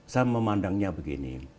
saya memandangnya begini